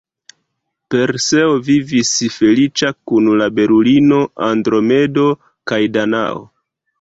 Perseo vivis feliĉa kun la belulino Andromedo kaj Danao.